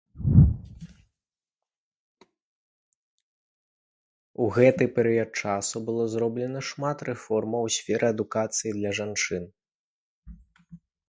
У гэты перыяд часу было зроблена шмат рэформаў у сферы адукацыі для жанчын.